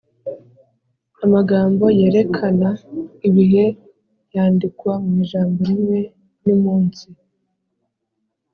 Amagambo yerekana ibihe yandikwa mu ijambo rimwe nimunsi